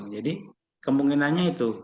jadi kemungkinannya itu